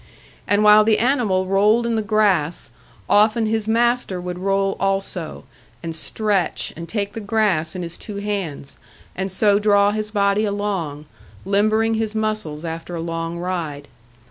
And while the animal rolled in the grass, often his master would roll also, and stretch, and take the grass in his two hands, and so draw his body along, limbering his muscles after a long ride.